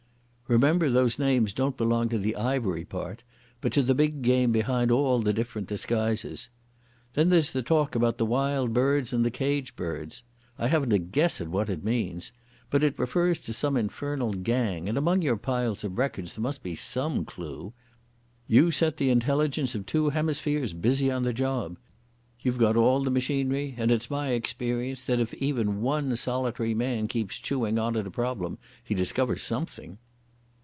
Remember those names don't belong to the Ivery part, but to the big game behind all the different disguises.... Then there's the talk about the Wild Birds and the Cage Birds. I haven't a guess at what it means. But it refers to some infernal gang, and among your piles of records there must be some clue. You set the intelligence of two hemispheres busy on the job. You've got all the machinery, and it's my experience that if even one solitary man keeps chewing on at a problem he discovers something."